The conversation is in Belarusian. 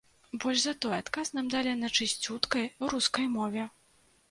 Больш за тое, адказ нам далі на чысцюткай рускай мове.